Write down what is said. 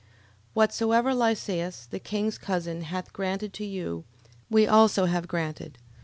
11:35. Whatsoever Lysias, the king's cousin, hath granted to you, we also have granted.